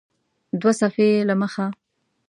دوه صفحې یې له مخه